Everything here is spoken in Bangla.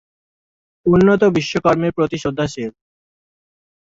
উন্নত বিশ্ব কর্মের প্রতি শ্রদ্ধাশীল।